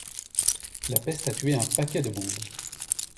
La peste a tué un paquet de monde.